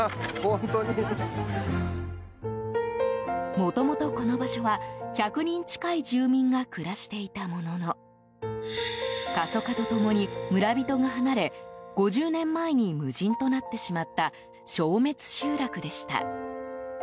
もともとこの場所は１００人近い住民が暮らしていたものの過疎化と共に村人が離れ５０年前に無人となってしまった消滅集落でした。